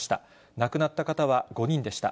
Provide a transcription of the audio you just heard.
亡くなった方は５人でした。